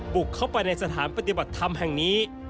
บุกเข้าไปในสถานปฏิบัติธรรมแห่งนี้